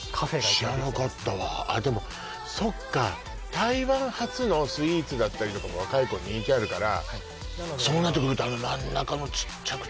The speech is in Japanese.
知らなかったわあっでもそっか台湾発のスイーツだったりとかも若い子に人気あるからそうなってくるとあの真ん中のちっちゃく